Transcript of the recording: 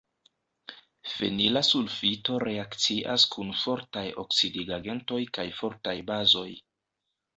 Fenila sulfito reakcias kun fortaj oksidigagentoj kaj fortaj bazoj.